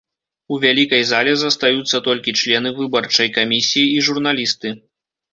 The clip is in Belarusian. У вялікай зале застаюцца толькі члены выбарчай камісіі і журналісты.